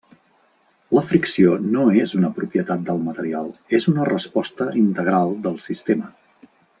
La fricció no és una propietat del material, és una resposta integral del sistema.